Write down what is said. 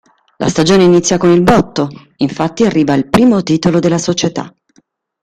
La stagione inizia con il botto, infatti arriva il primo titolo della società.